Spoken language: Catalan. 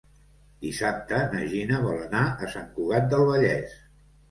Dissabte na Gina vol anar a Sant Cugat del Vallès.